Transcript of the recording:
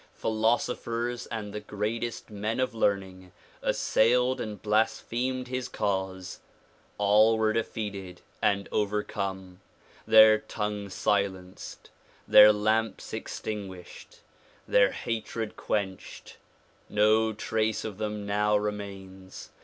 Philosophers and the greatest men of learning assailed and blasphemed his cause. All were defeated and overcome; their tongues silenced; their lamps extinguished; their hatred quenched ; no trace of them now remains.